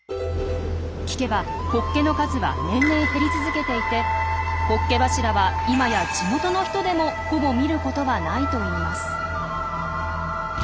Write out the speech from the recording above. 聞けばホッケの数は年々減り続けていてホッケ柱は今や地元の人でもほぼ見ることはないといいます。